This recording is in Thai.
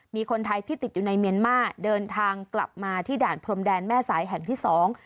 มีคนไทยที่ติดอยู่ในเมียนมาร์เดินทางกลับมาที่ด่านพรมแดนแม่สายแห่งที่สอง